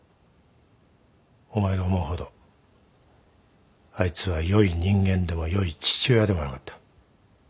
お前が思うほどあいつは良い人間でも良い父親でもなかった。